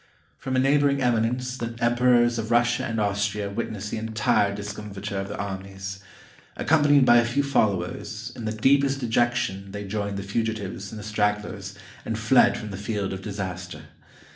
From a neighboring eminence the Em perors of Russia and Austria witnessed the entire discom fiture of their armies. Accompanied by a few followers, in the deepest dejection they joined the fugitives and the stragglers, and fled from the field of disaster.